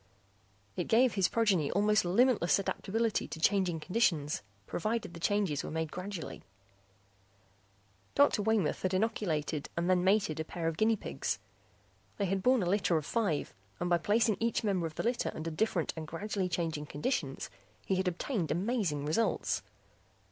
It gave his progeny almost limitless adaptability to changing conditions, provided the changes were made gradually. Dr. Waymoth had inoculated and then mated a pair of guinea pigs; they had borne a litter of five and by placing each member of the litter under different and gradually changing conditions, he had obtained amazing results.